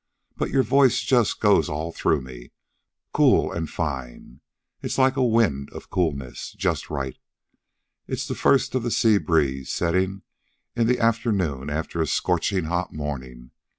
But your voice just goes all through me, cool and fine. It's like a wind of coolness just right. It's like the first of the sea breeze settin' in in the afternoon after a scorchin' hot morning.